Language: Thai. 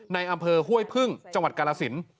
ในอำเภอห้วยพึ่งจังหวัดกาลสิน